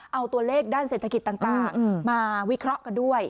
เอาตัวเลขด้านเศรษฐกิจต่างมาวิเคราะห์กันด้วย